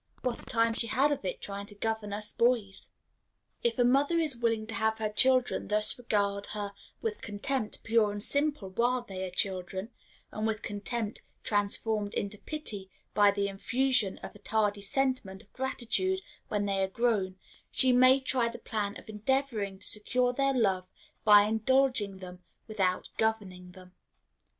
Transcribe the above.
what a time she had of it trying to govern us boys!" If a mother is willing to have her children thus regard her with contempt pure and simple while they are children, and with contempt transformed into pity by the infusion of a tardy sentiment of gratitude, when they are grown, she may try the plan of endeavoring to secure their love by indulging them without governing them.